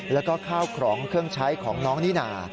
แล้วก็ข้าวของเครื่องใช้ของน้องนิน่า